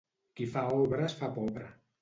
Qui fa obra es fa pobre.